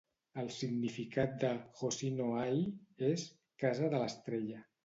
El significat de "Hoshi-no-ie" és "casa de l'estrella".